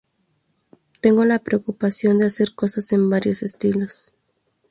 Tengo la preocupación de hacer cosas en varios estilos.